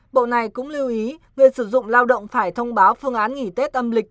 bộ này cũng lưu ý người sử dụng lao động phải thông báo phương án nghỉ tết âm lịch